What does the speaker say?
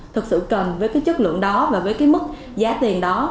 thực sự cần với cái chất lượng đó và với cái mức giá tiền đó